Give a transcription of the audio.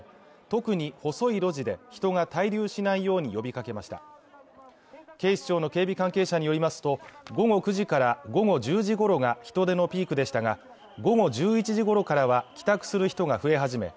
特に細い路地で人が滞留しないように呼びかけました警視庁の警備関係者によりますと午後９時から午後１０時ごろが人出のピークでしたが午後１１時ごろからは帰宅する人が増え始め